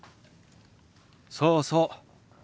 そうそう。